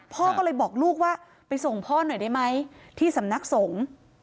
พ่อก็เลยบอกลูกว่าไปส่งพ่อหน่อยได้ไหมที่สำนักสงฆ์